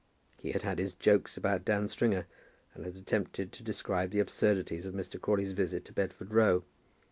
He had had his jokes about Dan Stringer, and had attempted to describe the absurdities of Mr. Crawley's visit to Bedford Row.